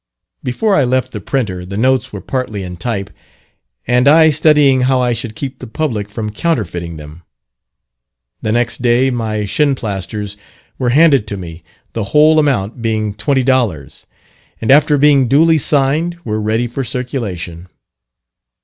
Before I left the printer the notes were partly in type, and I studying how I should keep the public from counterfeiting them. The next day my Shinplasters were handed to me, the whole amount being twenty dollars, and after being duly signed were ready for circulation.